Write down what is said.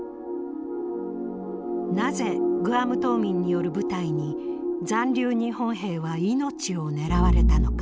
なぜグアム島民による部隊に残留日本兵は命を狙われたのか。